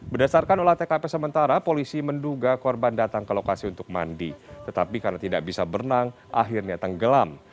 berdasarkan olah tkp sementara polisi menduga korban datang ke lokasi untuk mandi tetapi karena tidak bisa berenang akhirnya tenggelam